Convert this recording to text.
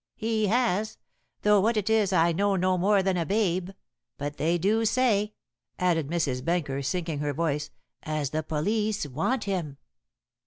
"He has, though what it is I know no more than a babe. But they do say," added Mrs. Benker, sinking her voice, "as the police want him."